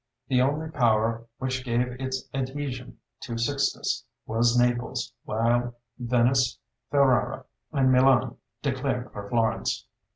The only power which gave its adhesion to Sixtus was Naples, while Venice, Ferrara, and Milan declared for Florence.